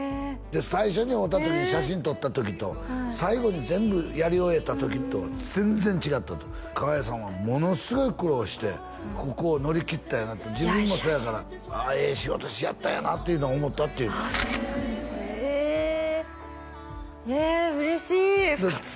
最初に会うた時に写真撮った時と最後に全部やり終えた時とは全然違ったと川栄さんはものすごい苦労してここを乗り切ったんやなって自分もそうやからええ仕事しはったんやなっていうのを思ったって言うああそうなんですねええ嬉しい深津さん